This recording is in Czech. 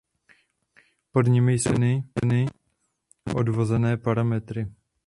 Pod nimi jsou uvedeny odvozené parametry.